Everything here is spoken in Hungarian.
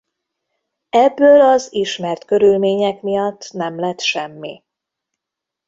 Ebből az ismert körülmények miatt nem lett semmi.